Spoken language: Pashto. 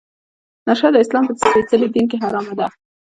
نشه د اسلام په سپیڅلي دین کې حرامه ده.